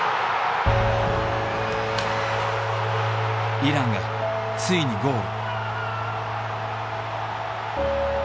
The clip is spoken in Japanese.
イランがついにゴール。